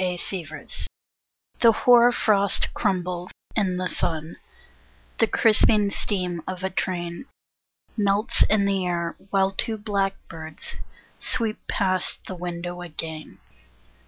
ANXIETY THE hoar frost crumbles in the sun, The crisping steam of a train Melts in the air, while two black birds Sweep past the window again.